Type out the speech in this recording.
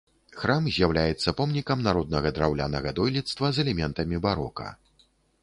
Храм з'яўляецца помнікам народнага драўлянага дойлідства з элементамі барока.